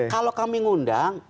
kalau kami mengundang